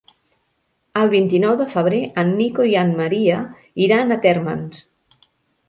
El vint-i-nou de febrer en Nico i en Maria iran a Térmens.